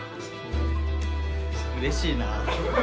うれしいなぁ。